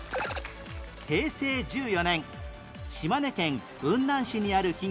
平成１４年島根県雲南市にある企業